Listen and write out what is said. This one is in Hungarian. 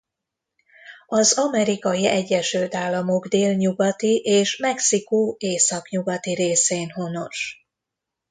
Az Amerikai Egyesült Államok délnyugati és Mexikó északnyugati részén honos.